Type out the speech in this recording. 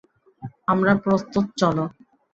আমরা প্রস্তুত, চলো।